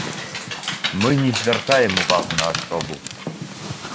Мы не звяртаем увагу на асобу.